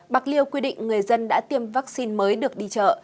bạc liêu quy định người dân đã tiêm vaccine mới được đi chợ